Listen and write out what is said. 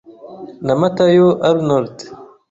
na Matayo Arnold